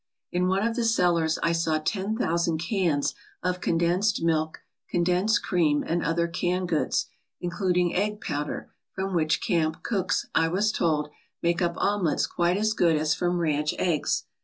In one of the cellars I saw ten thousand cans of condensed milk, condensed cream, and other canned goods, including egg powder, from which camp cooks, I was told, make up omelettes quite as good as from ranch eggs.